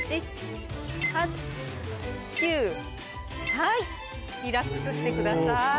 はいリラックスしてください。